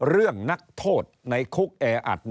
เรื่องนักโทษในคุกแออัด